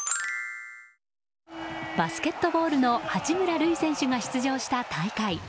バスケットボールの八村塁選手が出場した大会。